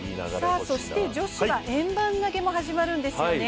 そして女子は円盤投も始まるんですよね。